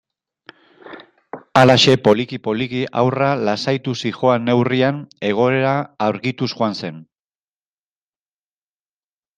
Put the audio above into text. Halaxe, poliki-poliki haurra lasaituz zihoan neurrian, egoera argituz joan zen.